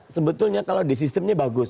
sebetulnya kalau di sistemnya bagus